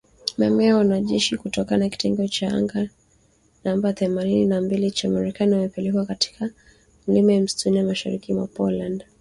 Mamia ya wanajeshi kutoka kitengo cha anga namba themanini na mbili cha Marekani ,wamepelekwa katika milima ya msituni ya mashariki mwa Poland